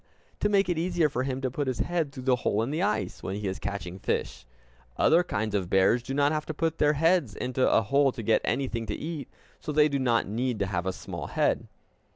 To make it easier for him to put his head through the hole in the ice, when he is catching fish. Other kinds of bears do not have to put their heads into a hole to get anything to eat; so they do not need to have a small head.